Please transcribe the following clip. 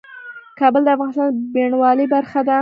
کابل د افغانستان د بڼوالۍ برخه ده.